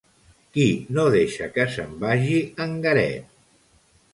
Qui no deixa que se'n vagi en Garet?